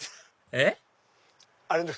えっ？